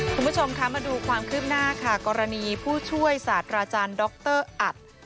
คุณผู้ชมคะมาดูความคืบหน้าค่ะกรณีผู้ช่วยศาสตราจารย์ดรอัต